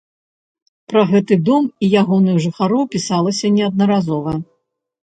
Пра гэты дом і ягоных жыхароў пісалася неаднаразова.